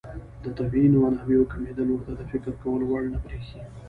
د طبیعي منابعو کمېدل ورته د فکر کولو وړ نه بريښي.